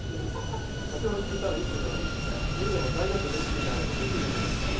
先ほど聞いたら悠介くん家でも材料とレシピさえあればできるっておっしゃってました。